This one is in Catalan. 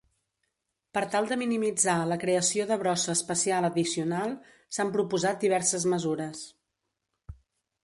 Per tal de minimitzar la creació de brossa espacial addicional, s'han proposat diverses mesures.